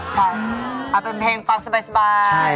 ใช่เอาเป็นเพลงฟังสบาย